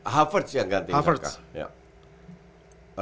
havertz yang ganti syaka